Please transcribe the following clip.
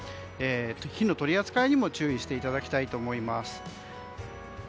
火の取り扱いにも注意していただきたいと思います。